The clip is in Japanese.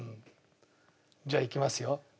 じゃあいきますよ。